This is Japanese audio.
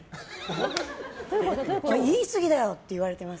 言いすぎだよ！って言われてます。